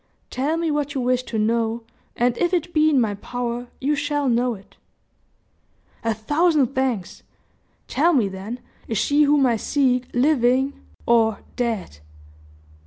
Tell me what you wish to know, and if it be in my power, you shall know it." "A thousand thanks! Tell me, then, is she whom I seek living or dead?"